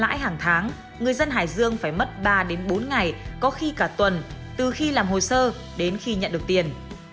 lãi hàng tháng người dân hải dương phải mất ba đến bốn ngày có khi cả tuần từ khi làm hồ sơ đến khi nhận được tiền